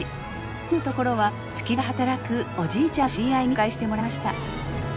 住む所は築地で働くおじいちゃんの知り合いに紹介してもらいました。